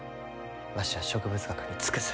わしは植物学に尽くす。